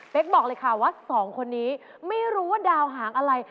เป็นบอกเลยค่ะว่าสองคนนี้ไม่รู้ว่าดาวหางอะไร